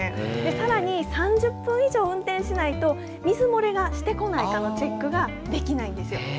さらに３０分以上運転しないと水漏れがしてこないかのチェックができないんですよ。